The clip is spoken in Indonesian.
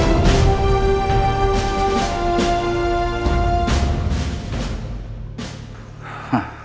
yang lebih baik adalah